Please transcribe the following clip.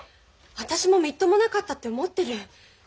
私もみっともなかったって思ってる。